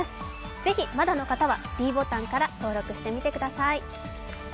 ぜひ、まだの方ばｄボタンから登録してみてください。